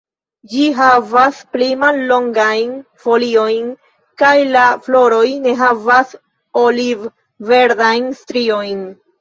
Ĝi havas pli mallongajn foliojn kaj la floroj ne havas oliv-verdajn striojn.